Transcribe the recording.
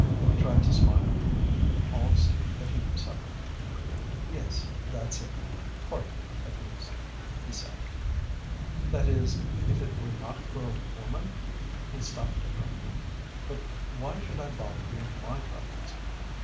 He tried to smile, but we could all see that he was suffering. "Yes, that's it partly at least," he said. "That is, if it were not for a woman " He stopped abruptly. "But why should I bother you with my troubles?"